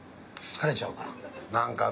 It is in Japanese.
疲れちゃうから。